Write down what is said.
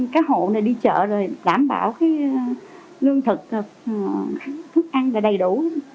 các hộ này đi chợ rồi đảm bảo lương thực thức ăn là đầy đủ